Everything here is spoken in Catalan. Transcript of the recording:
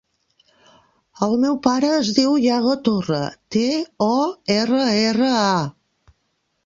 El meu pare es diu Iago Torra: te, o, erra, erra, a.